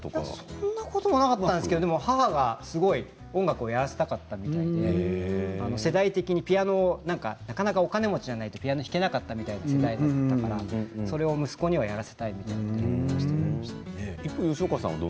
そういうわけではなかったんですけど母が音楽をやらせたかったみたいで世代的にピアノはなかなかお金持ちじゃないとピアノを弾けなかった世代だからそれを息子にはやらせたいということで。